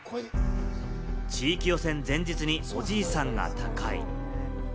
地域予選前日におじいさんが他界。